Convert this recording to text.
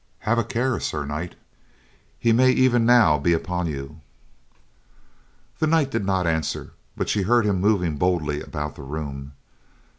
Have a care, Sir Knight, he may even now be upon you." The knight did not answer, but she heard him moving boldly about the room.